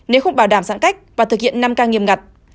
nếu không bảo đảm giãn cách và thực hiện năm ca nghiêm ngặt